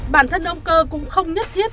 bản thân ông cơ cũng không nhất thiết